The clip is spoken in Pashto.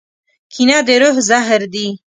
کینه د روح زهر دي.